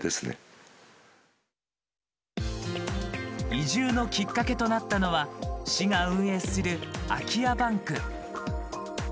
移住のきっかけとなったのは市が運営する「空き家バンク」。